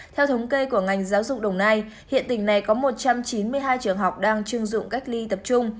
theo thống kê của ngành giáo dục đồng nai hiện tỉnh này có một trăm chín mươi hai trường học đang chưng dụng cách ly tập trung